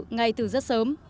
ngay từ rất sớm